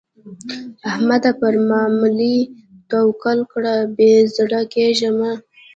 احمده؛ پر ماملې توکل کړه؛ بې زړه کېږه مه.